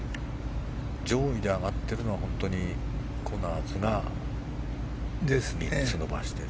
上位で上がっているのはコナーズが３つ伸ばしている。